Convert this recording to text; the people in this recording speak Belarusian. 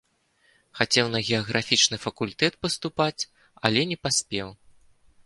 Хацеў на геаграфічны факультэт паступаць, але не паспеў.